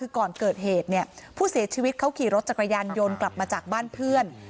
คือก่อนเกิดเหตุเนี่ยผู้เสียชีวิตเขาขี่รถจักรยานยนต์กลับมาจากบ้านเพื่อน